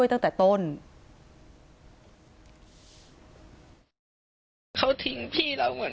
ต่างฝั่งในบอสคนขีดบิ๊กไบท์